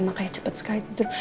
makanya cepet sekali tidur